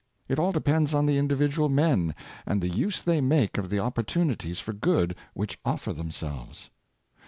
It all depends on the individual men, and the use they make of the opportunities for good which offer them selves.